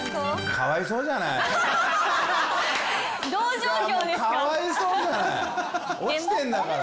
かわいそうじゃない落ちてんだから